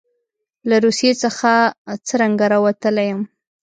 له روسیې څخه څرنګه راوتلی یم.